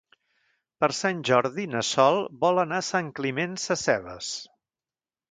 Per Sant Jordi na Sol vol anar a Sant Climent Sescebes.